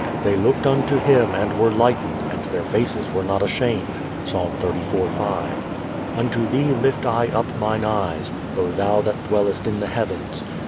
"They looked unto him, and were lightened: and their faces were not ashamed" (Psa. 34:5). "Unto thee lift I up mine eyes, O thou that dwellest in the heavens.